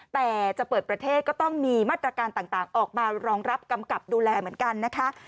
แต่จะเปิดประเทศก็ต้องมีมาตรการต่างออกมารองรับกำกับดูแลเหมือนกันนะคะ